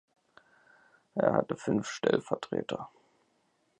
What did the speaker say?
Er hatte fünf Stellvertreter.